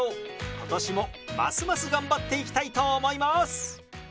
今年もますます頑張っていきたいと思います！